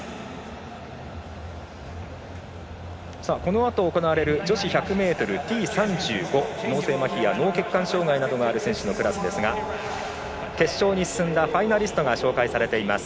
このあと行われる女子１００ｍＴ３５脳性まひや脳血管障がいなどがある選手のクラスですが決勝に進んだファイナリストが紹介されています。